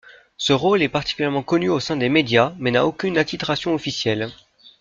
Ce rôle est particulièrement connu au sein des médias, mais n'a aucune attitration officielle.